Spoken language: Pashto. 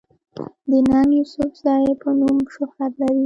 د “ ننګ يوسفزۍ” پۀ نوم شهرت لري